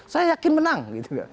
saya yakin menang gitu